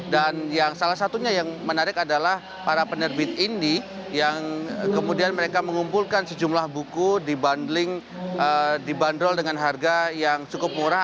dan salah satunya yang menarik adalah para penerbit indi yang kemudian mereka mengumpulkan sejumlah buku dibandrol dengan harga yang cukup murah